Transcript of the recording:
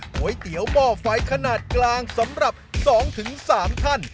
ก๋วยเตี๋ยวหม้อไฟขนาดกลางสำหรับ๒๓ท่าน